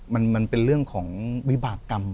มันเป็นเรื่องของวิบากรรม